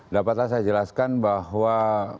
dapatlah saya jelaskan bahwa